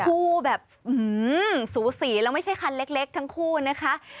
คู่แบบสูสีแล้วไม่ใช่คันเล็กทั้งคู่นะคะ